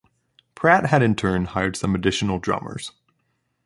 Pratt had in turn hired some additional drummers.